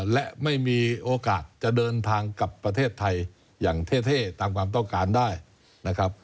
และไม่มีโอกาสจะเดินทางกลับประเทศไทยอย่างเท่ตามความต้องการได้นะครับ